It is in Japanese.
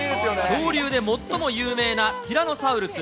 恐竜で最も有名なティラノサウルス。